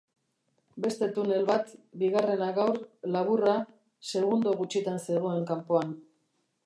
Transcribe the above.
Beste tunel bat, bigarrena gaur, laburra, segundo gutxitan zegoen kanpoan.